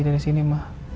dari sini ma